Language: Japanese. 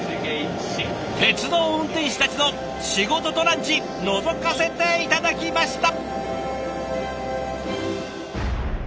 鉄道運転士たちの仕事とランチのぞかせて頂きました。